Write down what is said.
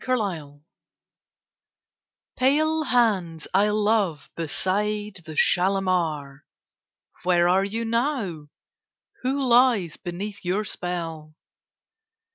Kashmiri Song Pale hands I love beside the Shalimar, Where are you now? Who lies beneath your spell?